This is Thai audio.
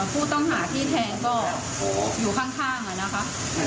ผู้ต้องหาที่แทงก็อยู่ข้าง